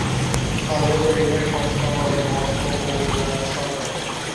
সর্বোচ্চ নির্বাহী সংস্থা হ'ল মস্কো ওব্লাস্ট সরকার।